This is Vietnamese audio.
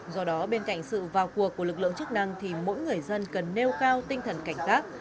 do đó bên cạnh sự vào cuộc của lực lượng chức năng thì mỗi người dân cần nêu cao tinh thần cảnh giác